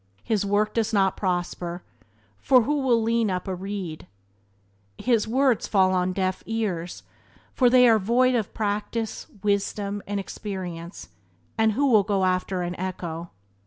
His work does not prosper, for who will lean upon a reed? His words fall upon deaf ears, for they are void of practice, wisdom, and experience, and who will go after an echo?